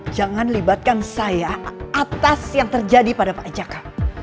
jangan libatkan saya atas yang terjadi pada pak jk